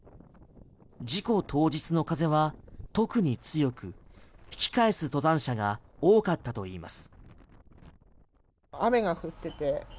事故当日の風は特に強く引き返す登山者が多かったといいます。